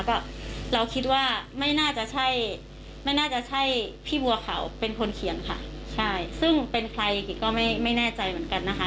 ก็เราคิดว่าไม่น่าจะใช่ไม่น่าจะใช่พี่บัวเขาเป็นคนเขียนค่ะใช่ซึ่งเป็นใครกิดก็ไม่แน่ใจเหมือนกันนะคะ